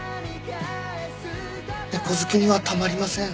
猫好きにはたまりません。